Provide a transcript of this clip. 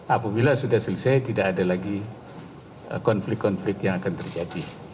apabila sudah selesai tidak ada lagi konflik konflik yang akan terjadi